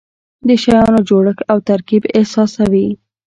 د شیانو جوړښت او ترکیب احساسوي.